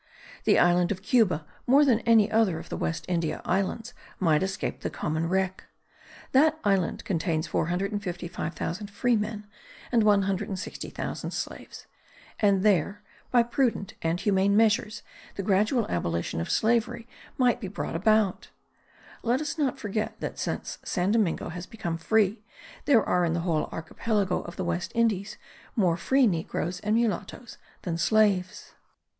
The island of Cuba, more than any other of the West India Islands, might escape the common wreck. That island contains 455,000 free men and 160,000 slaves: and there, by prudent and humane measures, the gradual abolition of slavery might be brought about. Let us not forget that since San Domingo has become free there are in the whole archipelago of the West Indies more free negroes and mulattos than slaves.